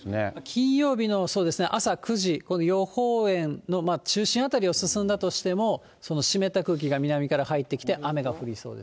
金曜日の朝９時、予報円の中心辺りを進んだとしても、湿った空気が南から入ってきて、雨が降りそうです。